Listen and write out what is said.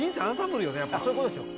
そういうことですよ。